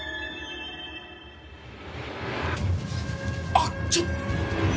あっちょっ！